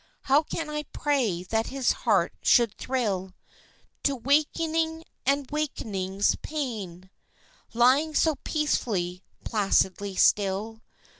How can I pray that his heart should thrill To waking and waking's pain? Lying so peacefully, placidly still.